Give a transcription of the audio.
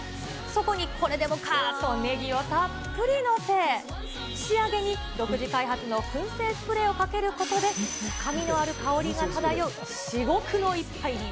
そこにこれでもかとネギをたっぷり載せ、仕上げに独自開発のくん製スプレーをかけることで、深みのある香りが漂う至極の一杯に。